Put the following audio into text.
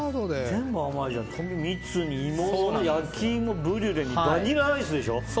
全部甘いじゃん蜜に、芋に焼き芋、ブリュレにバニラアイスでしょ。